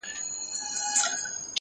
ډلي ډلي به مخلوق ورته راتلله.!